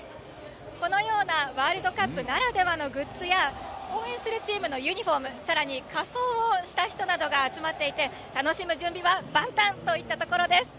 このようなワールドカップならではのグッズや応援するチームのユニフォームさらに仮装をした人などが集まっていて楽しむ準備は万端といったところです。